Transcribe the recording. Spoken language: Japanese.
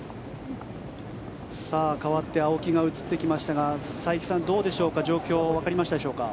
かわって青木が映ってきましたが佐伯さんどうでしょうか状況わかりましたでしょうか。